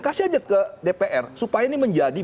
kasih aja ke dpr supaya ini menjadi